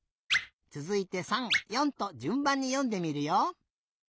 つづいて３４とじゅんばんによんでみるよ。